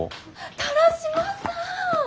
田良島さん！